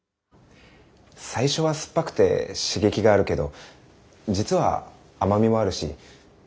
最初は酸っぱくて刺激があるけど実は甘みもあるし